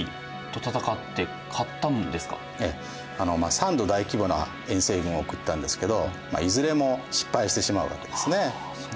３度大規模な遠征軍を送ったんですけどいずれも失敗してしまうわけですね。